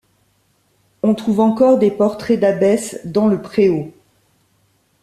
On trouve encore des portraits d'abbesses dans le préau.